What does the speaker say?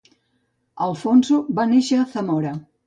Alfonso va néixer a Zamora.